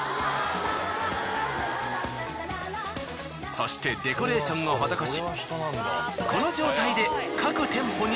そしてデコレーションを施し。